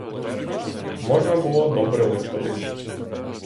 Можна було добре виспатись.